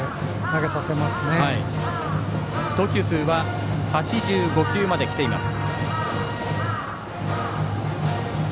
投球数は８５球まで来ています。